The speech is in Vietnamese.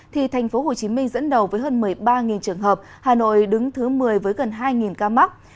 thì thành phố hồ chí minh dẫn đầu với hơn một mươi ba trường hợp hà nội đứng thứ một mươi với gần hai ca mắc